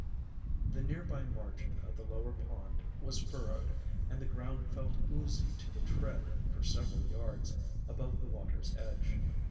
The near by margin of the lower pond was fur rowed, and the ground felt oozy to the tread for several yards above the water's edge.